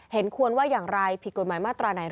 เห็นควรว่าอย่างไรผิดกฎหมายมาตราไหน